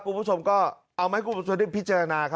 กรุงผู้ชมเอามาให้กรุงผู้ชมพิจารณา